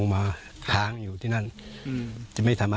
ไม่เชื่อครับ